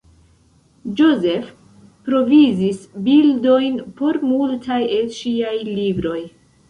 Joseph provizis bildojn por multaj el ŝiaj libroj.